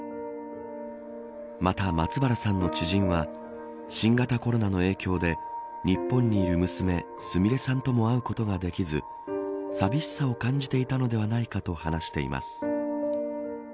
また、松原さんの知人は新型コロナの影響で日本にいる娘すみれさんとも会うことができず寂しさを感じていたのではないかと話しています。